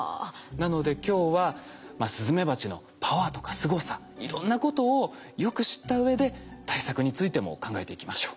なので今日はスズメバチのパワーとかすごさいろんなことをよく知った上で対策についても考えていきましょう。